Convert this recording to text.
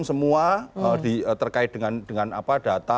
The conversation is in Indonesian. semua terkait dengan data